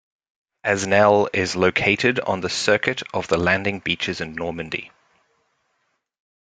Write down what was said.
Asnelle is located on the "Circuit of the landing beaches in Normandy".